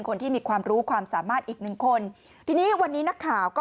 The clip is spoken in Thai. คนที่มีความรู้ความสามารถอีกหนึ่งคนทีนี้วันนี้นักข่าวก็